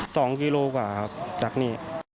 สองกิโลกว่าจากนี้